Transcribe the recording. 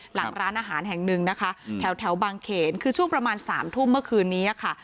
หลังร้านอาหารแห่งหนึ่งนะคะแถวบางเขนคือช่วงประมาณ๓ทุ่มเมื่อคืนนี้ค่ะ